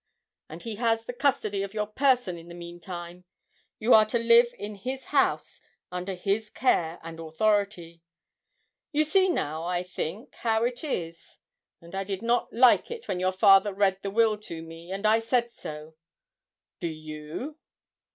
and he has the custody of your person in the meantime; you are to live in his house, under his care and authority. You see now, I think, how it is; and I did not like it when your father read the will to me, and I said so. Do you?'